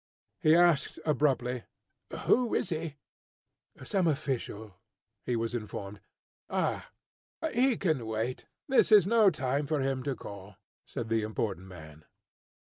He asked abruptly, "Who is he?" "Some official," he was informed. "Ah, he can wait! This is no time for him to call," said the important man.